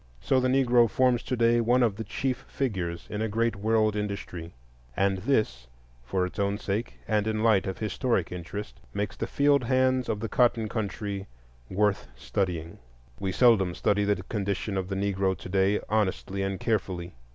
So the Negro forms to day one of the chief figures in a great world industry; and this, for its own sake, and in the light of historic interest, makes the field hands of the cotton country worth studying. We seldom study the condition of the Negro to day honestly and carefully.